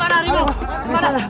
di mana harimau